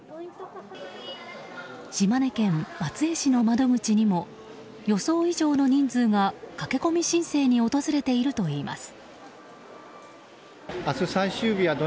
島根県松江市の窓口にも予想以上の人数が駆け込み申請に訪れているといいます。